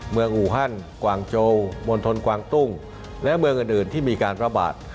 อูฮันกวางโจมณฑลกวางตุ้งและเมืองอื่นที่มีการระบาด